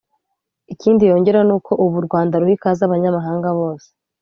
Ikindi yongeraho ni uko ubu u Rwanda ruha ikaze Abanyamahanga bose